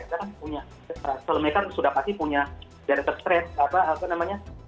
karena mereka sudah pasti punya dari terstret apa apa namanya